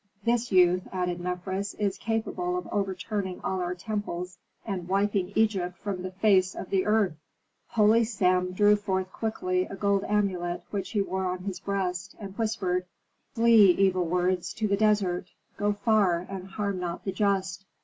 "This youth," added Mefres, "is capable of overturning all our temples, and wiping Egypt from the face of the earth." Holy Sem drew forth quickly a gold amulet which he wore on his breast, and whispered, "Flee, evil words, to the desert. Go far, and harm not the just.